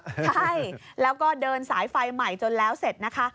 ใช่แล้วก็เดินสายไฟใหม่จนแล้วเสร็จนะคะ